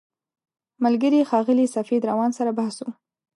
ملګري ښاغلي سفید روان سره بحث و.